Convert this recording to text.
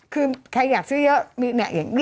คือใครอยากซื้อเยอะ